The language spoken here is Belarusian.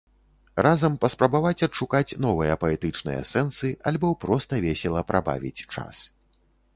Разам паспрабаваць адшукаць новыя паэтычныя сэнсы, альбо проста весела прабавіць час.